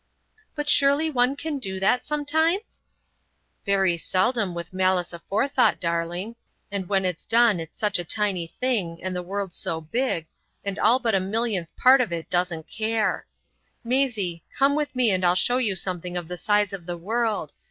"But surely one can do that sometimes?" "Very seldom with malice aforethought, darling. And when it's done it's such a tiny thing, and the world's so big, and all but a millionth part of it doesn't care. Maisie, come with me and I'll show you something of the size of the world.